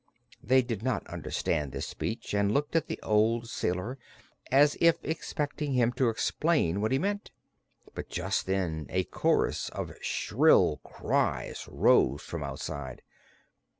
They did not understand this speech and looked at the old sailor as if expecting him to explain what he meant. But just then a chorus of shrill cries rose from outside.